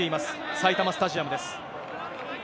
埼玉スタジアムです。